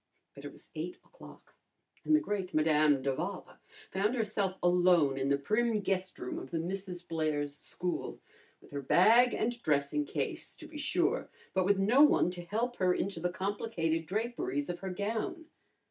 But it was eight o'clock and the great Madame d'Avala found herself alone in the prim guest room of the Misses Blair's School, with her bag and dressing case, to be sure, but with no one to help her into the complicated draperies of her gown.